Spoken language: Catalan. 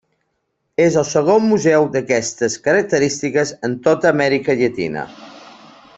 És el segon museu d'aquestes característiques en tota Amèrica Llatina.